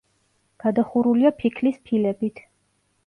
გადახურულია ფიქლის ფილებით.